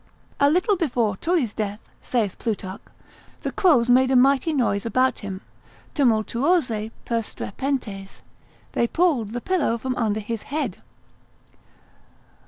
A little before Tully's death (saith Plutarch) the crows made a mighty noise about him, tumultuose perstrepentes, they pulled the pillow from under his head.